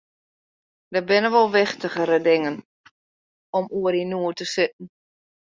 Der binne wol wichtiger dingen om oer yn noed te sitten.